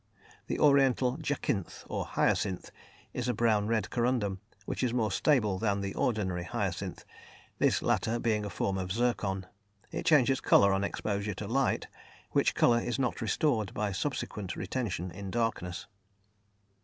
The oriental jacinth, or hyacinth, is a brown red corundum, which is more stable than the ordinary hyacinth, this latter being a form of zircon; it changes colour on exposure to light, which colour is not restored by subsequent retention in darkness.